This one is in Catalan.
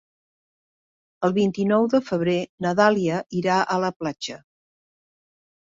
El vint-i-nou de febrer na Dàlia irà a la platja.